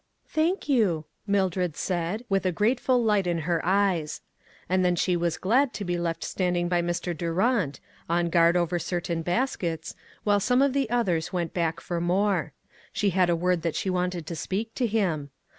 " Thank you," Mildred said, a grateful light in her eyes. And then she was glad to be left standing by Mr. Durant, on guard over certain baskets, while some of the others went back for more. She had a word that she wanted to speak to him.